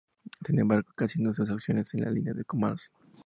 Sin embargo, casi no usa opciones en la línea de comandos.